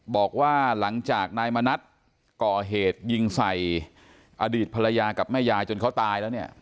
บอกว่าหลังจากนายมณัฐก่อเหตุยิงใส่อดีตภรรยากับแม่ยายจนเขาตายแล้วเนี่ย